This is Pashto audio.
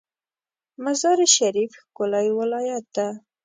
مزار شریف ښکلی ولایت ده